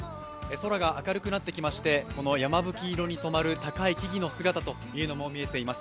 空が明るくなってきましてこの山吹色に染まる高い木々の姿というのも見えています。